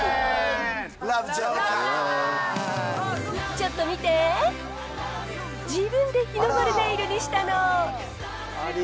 ちょっと見て、自分で日の丸ネイルにしたの。